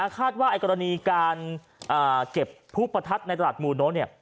คาดว่ากรณีการเก็บพลุประทัดในตลาดมูลโน้นเนี่ย